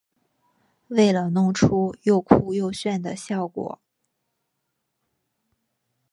为了弄出又酷又炫的效果